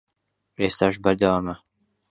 ئێستاش بەردەوامە